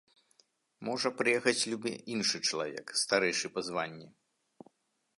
Можа прыехаць любы іншы чалавек, старэйшы па званні.